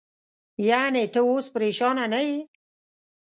یعنې، ته اوس پرېشانه نه یې؟